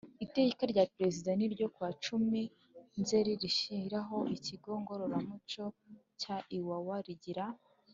Iteka rya Perezida N ryo ku wa cumi nzeri rishyiraho ikigo Ngororamuco cya Iwawa rigiha